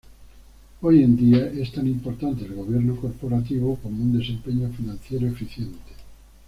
Hoy en día es tan importante el Gobierno Corporativo como un desempeño financiero eficiente.